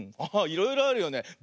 いろいろあるよね。